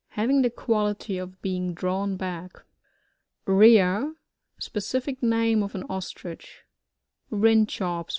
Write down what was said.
— Having the quality of being drawn back. RifSA. Specific name of an Ostrich. Rhtnchops.